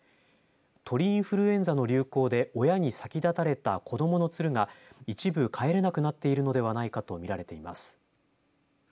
鳥インフルエンザの流行で親に先立たれた子どもの鶴が一部帰れなくなっているのではないかと見られています。